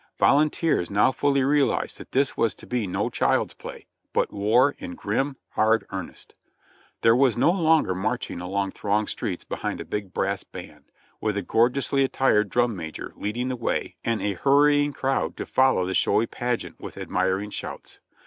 Volunteers now fully realized that this was to be no child's play, but war in grim, hard earnest. There was no longer marching along thronged streets behind a big brass band, with a gorgeously attired drum major leading the way and a hurrying crowd to follow the showy pageant with admiring shouts.